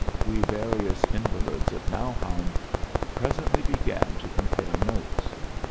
We various invalids of Nauheim presently began to compare notes.